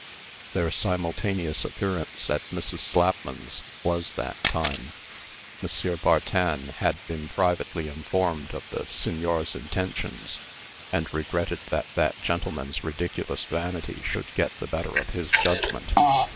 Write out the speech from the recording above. Their simultaneous appearance at Mrs. Slapman's was that time. M. Bartin had been privately informed of the Signer's intentions, and regretted that that gentleman's ridiculous vanity should get the better of his judgment.